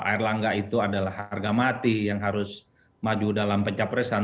pak erlangga itu adalah harga mati yang harus maju dalam pencapresan